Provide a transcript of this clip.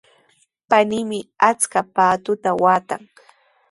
Paniimi achka paatuta waatan.